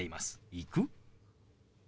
「行く？」。